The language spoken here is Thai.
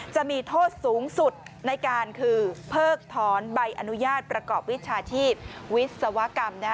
จะมีโทษสูงสุดในการคือเพิกถอนใบอนุญาตประกอบวิชาชีพวิศวกรรม